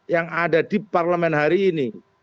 yang ada di parlemen hari ini